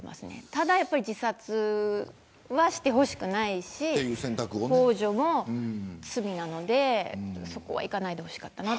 ただ、自殺はしてほしくないしほう助も罪なのでそこは、いかないでほしかった。